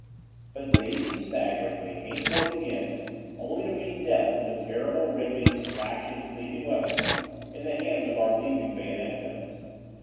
But dazed and staggering they came forth again only to meet death from the terrible, ripping, slashing, cleaving weapons in the hands of our leaping bayonet gunners.